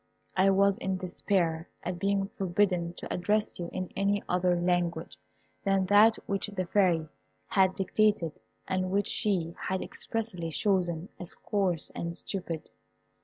I was in despair at being forbidden to address you in any other language than that which the Fairy had dictated, and which she had expressly chosen as coarse and stupid.